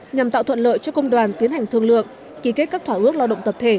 nhằm tạo thuận lợi cho công đoàn tiến hành thương lượng ký kết các thỏa ước lao động tập thể